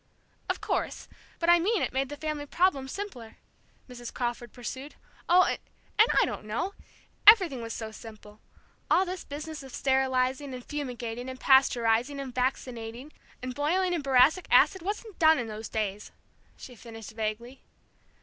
"Of course; but I mean it made the family problem simpler," Mrs. Crawford pursued. "Oh and I don't know! Everything was so simple. All this business of sterilizing, and fumigating, and pasteurizing, and vaccinating, and boiling in boracic acid wasn't done in those days," she finished vaguely.